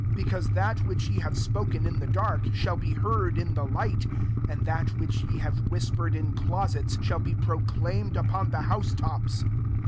S " Because that which ye have spoken in the dark, shall be heard in the light; and that which ye have whispered in closets, shall be proclaimed up [>n the house tops.